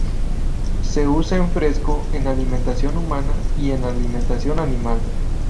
Se usa en fresco en alimentación humana y en alimentación animal.